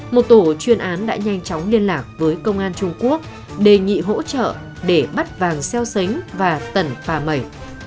một tổ chuyên án đã nhanh chóng liên lạc với công an trung quốc đề nghị hỗ trợ để bắt vàng xeo xánh và tẩn phà mẩy